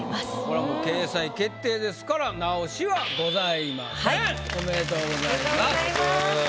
これはもう掲載決定ですから直しはございません。